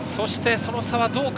その差はどうか。